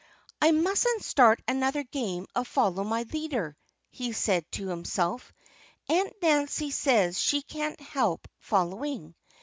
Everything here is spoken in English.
"I mustn't start another game of Follow My Leader," he said to himself. "Aunt Nancy says she can't help following.